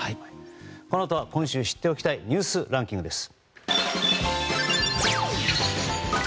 このあとは、今週知っておきたいニュースランキングです。